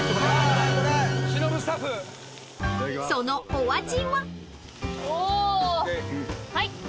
［そのお味は］